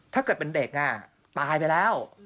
ถ้าเกิดเป็นเด็กตายไปแล้ว